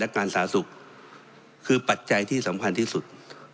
การสาธารณสุขคือปัจจัยที่สำคัญที่สุด